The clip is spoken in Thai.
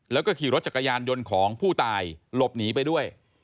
แล้วก็ขี่รถจักรยานยนต์ของผู้ตายหลบหนีไปด้วย